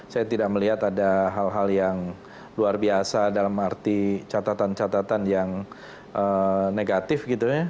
saya tidak melihat ada hal hal yang luar biasa dalam arti catatan catatan yang negatif gitu ya